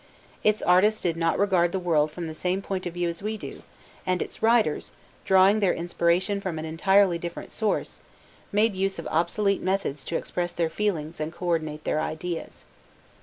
Its artists did not regard the world from the same point of view as we do, and its writers, drawing their inspiration from an entirely different source, made use of obsolete methods to express their feelings and co ordinate their ideas.